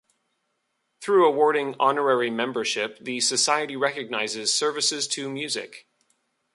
Through awarding honorary membership the society recognises "services to music".